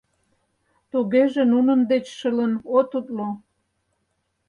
— Тугеже нунын деч шылын от утло.